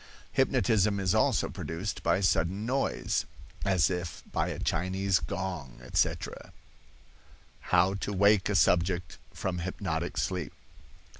Hypnotism is also produced by sudden noise, as if by a Chinese gong, etc. HOW TO WAKE A SUBJECT FROM HYPNOTIC SLEEP.